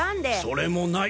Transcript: それもない！